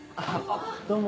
どうも。